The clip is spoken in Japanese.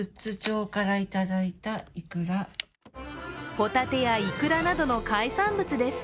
ほたてやいくらなどの海産物です。